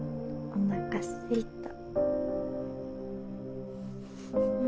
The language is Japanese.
おなかすいた。